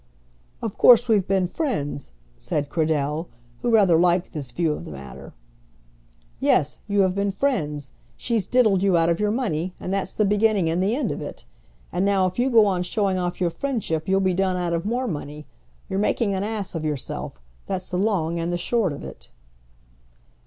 "Of course we've been friends," said Cradell, who rather liked this view of the matter. "Yes, you have been friends! She's diddled you out of your money, and that's the beginning and the end of it. And now, if you go on showing off your friendship, you'll be done out of more money. You're making an ass of yourself. That's the long and the short of it."